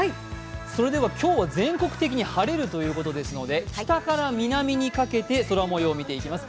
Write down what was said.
それでは今日は全国的に晴れるということですので北から南にかけて空もようを見ていきます。